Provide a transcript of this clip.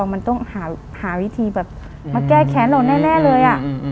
มันต้องหาวิธีแบบมาแก้แค้นเราแน่เลย